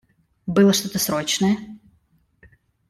Было что-то срочное?